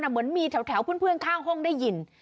เหมือนมีแถวเพื่อนข้างห้องได้ยิน